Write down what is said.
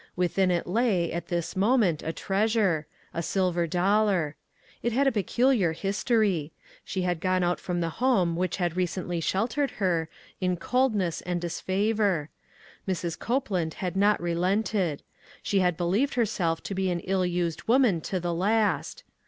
Within it lay, at this very moment, a treasure — a silver dollar. It had a peculiar history. She had gone out from the home which had 194 ONE COMMONPLACE DAY. recently sheltered her, in coldness and disfavor. Mrs. Copeland had not relented ; she had believed herself to be an ill used woman to the last.